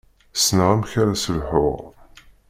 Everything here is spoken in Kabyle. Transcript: Ssneɣ amek ara s-lḥuɣ.